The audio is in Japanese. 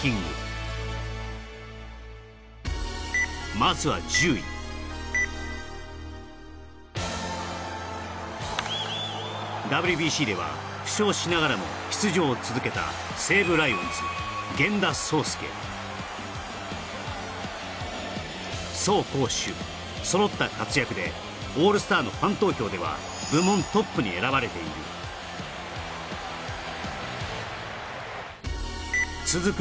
まずは１０位ＷＢＣでは負傷しながらも出場を続けた走攻守揃った活躍でオールスターのファン投票では部門トップに選ばれている続く